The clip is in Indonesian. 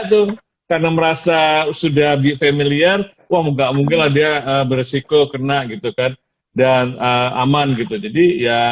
tuh karena merasa sudah familiar nggak mungkinlah dia bersikok kena gitu kan dan aman gitu jadi ya